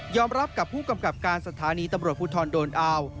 รับกับผู้กำกับการสถานีตำรวจภูทรโดนอาว